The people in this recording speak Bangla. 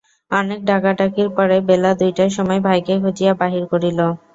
অনেক ডাকাডাকির পরে বেলা দুইটার সময় ভাইকে খুঁজিয়া বাহির করিল।